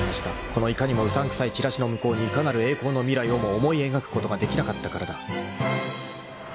［このいかにもうさんくさいチラシの向こうにいかなる栄光の未来をも思い描くことができなかったからだ］